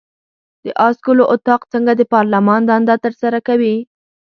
د آس ګلو اطاق څنګه د پارلمان دنده ترسره کوي؟